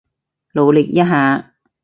努力一下